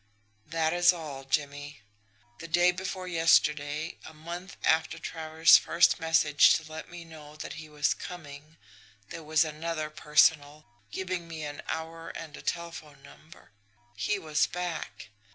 "That is all, Jimmie. The day before yesterday, a month after Travers' first message to let me know that he was coming, there was another 'personal' giving me an hour and a telephone number. He was back!